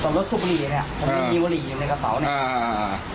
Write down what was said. ตอนรถสุบรีนี่ก็มีมีวลีอยู่ในกระเป๋าเนี่ย